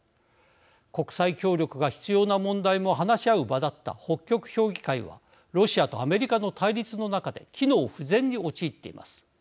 国際協力が必要な問題も話し合う場だった北極評議会はロシアとアメリカの対立の中で機能不全に陥っています。